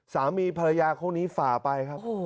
สามีภรรยาคู่นี้ฝ่าไปครับ